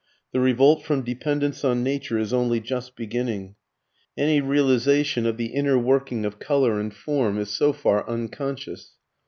The revolt from dependence on nature is only just beginning. Any realization of the inner working of colour and form is so far unconscious.